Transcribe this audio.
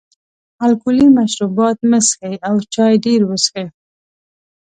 الکولي مشروبات مه څښئ او چای ډېر وڅښئ.